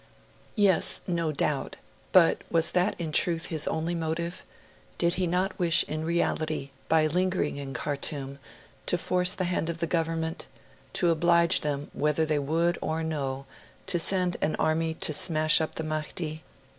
Yes; no doubt. But was that in truth, his only motive? Did he not wish in reality, by lingering in Khartoum, to force the hand of the Government? To oblige them, whether they would or no, to send an army to smash up the Mahdi?